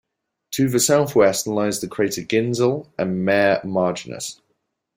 To the southwest lies the crater Ginzel and Mare Marginis.